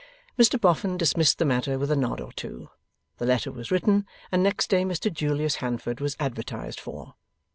Mr Boffin dismissed the matter with a nod or two. The letter was written, and next day Mr Julius Handford was advertised for.